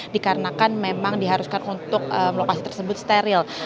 dikarenakan memang diharuskan untuk lokasi tersebut steril